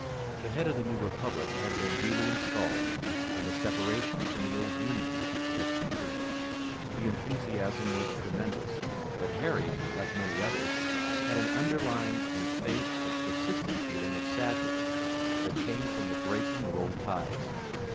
The head of the new republic had been duly installed, and the separation from the old Union was complete. The enthusiasm was tremendous, but Harry, like many others, had an underlying and faint but persistent feeling of sadness that came from the breaking of old ties.